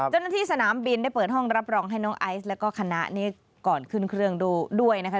เจ้าหน้าที่สนามบินได้เปิดห้องรับรองให้น้องไอซ์แล้วก็คณะนี้ก่อนขึ้นเครื่องด้วยนะคะ